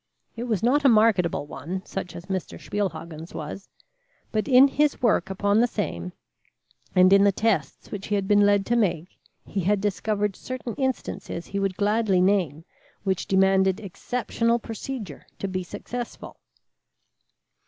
It was not a marketable one, such as Mr. Spielhagen's was, but in his work upon the same, and in the tests which he had been led to make, he had discovered certain instances he would gladly name, which demanded exceptional procedure to be successful.